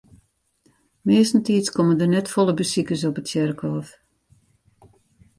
Meastentiids komme der net folle besikers op it tsjerkhôf.